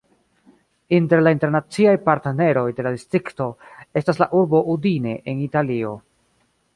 Inter la internaciaj partneroj de la distrikto estas la urbo Udine en Italio.